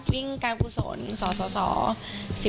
วิ่งการ์ดกุศลสสส